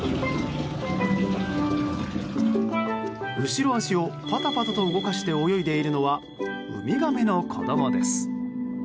後ろ足をパタパタと動かして泳いでいるのはウミガメの子供です。